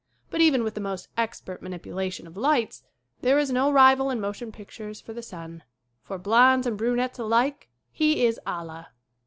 But even with the most expert manipulation of lights there is no rival in motion pictures for the sun. For blonds and brunettes alike he is Allah.